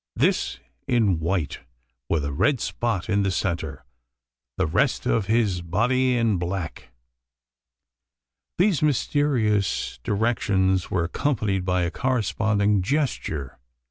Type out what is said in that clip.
This in white, with a red spot in the centre the rest of his body in black." These mysterious directions were accompanied by a corresponding gesture.